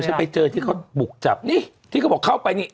ไปเจอที่เขาบุกจับนี่ที่เขาบอกเข้าไปนี่